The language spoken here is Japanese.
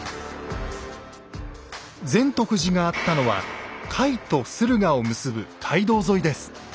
善得寺があったのは甲斐と駿河を結ぶ街道沿いです。